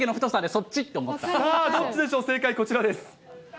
さあ、どっちでしょう、正解こちらです。